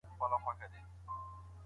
هغوی هیڅکله شکایت نه کوي.